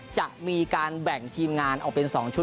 จะมีการแบ่งทีมงานออกเป็น๒ชุด